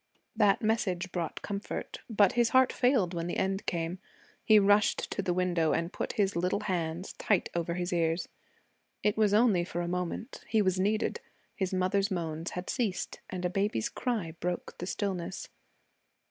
That message brought comfort; but his heart failed when the end came. He rushed to the window and put his little hands tight over his ears. It was only for a moment. He was needed. His mother's moans had ceased and a baby's cry broke the stillness.